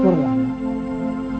terima kasih bang